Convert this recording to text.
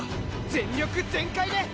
全力全開で。